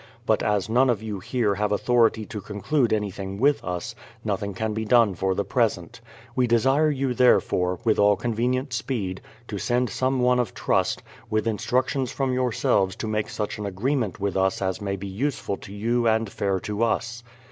But as none of you here have authority to conclude anything with us, nothing can be done for the present. We desire you, therefore, with all convenient speed to send some one of trust, with instructions from yourselves to make such an agreement with us as may be useful to you and fair to us.